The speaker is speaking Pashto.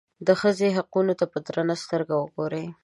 د ښځې حقونو ته په درنه سترګه وګوري.